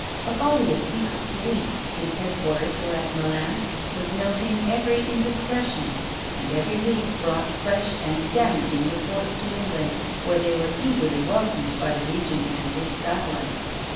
A body of secret police, whose headquarters were at Milan, was noting every indiscretion; and every week brought fresh and damaging reports to England, where they were eagerly welcomed by the Regent and his satellites.